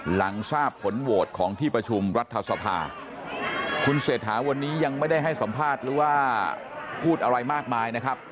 หลังทราบผลโหวตของที่ประชุมรัฐสภาคุณเศรษฐาวันนี้ยังไม่ได้ให้สัมภาษณ์หรือว่าพูดอะไรมากมายนะครับ